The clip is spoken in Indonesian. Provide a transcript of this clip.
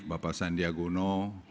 bapak sandi aguno